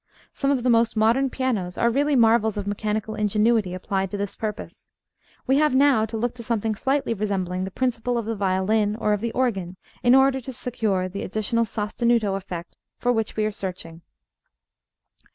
Some of the most modern pianos are really marvels of mechanical ingenuity applied to this purpose. We have now to look to something slightly resembling the principle of the violin or of the organ, in order to secure the additional sostenuto effect for which we are searching.